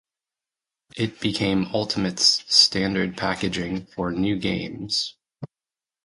It became Ultimate's standard packaging for new games.